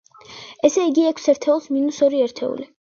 ესე იგი, ექვს ერთეულს მინუს ორი ერთეული.